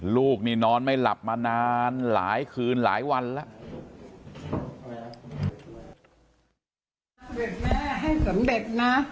ลูกนี่นอนไม่หลับมานานหลายคืนหลายวันแล้ว